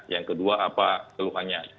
yang kedua apa keluhannya